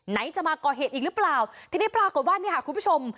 จะมาก่อเหตุอีกหรือเปล่าทีนี้ปรากฏว่าเนี่ยค่ะคุณผู้ชม